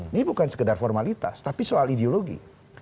ini bukan sekedar formalitas tapi soal ideologi